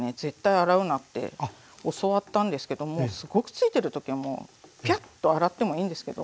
洗うなって教わったんですけどもすごくついてる時はもうピャッと洗ってもいいんですけどまあ